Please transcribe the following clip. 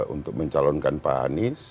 untuk mencalonkan pak anies